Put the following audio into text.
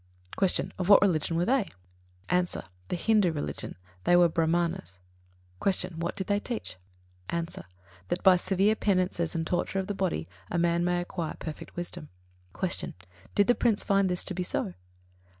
48. Q. Of what religion were they? A. The Hindu religion: they were Brāhmanas. 49. Q. What did they teach? A. That by severe penances and torture of the body a man may acquire perfect wisdom. 50. Q. _Did the Prince find this to be so?